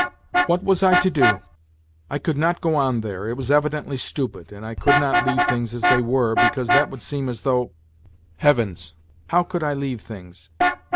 What was I to do ? I could not go on there it was evidently stupid, and I could not leave things as they were, because that would seem as though ... Heavens, how could I leave things